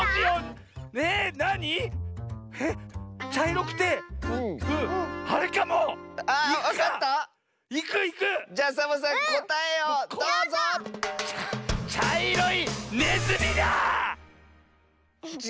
ちゃいろいねずみだ！